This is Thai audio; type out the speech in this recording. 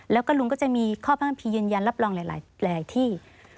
แล้วก็ลุงก็จะมีข้อภาคียืนยันรับรองหลายที่